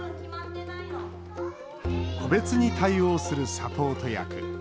個別に対応するサポート役。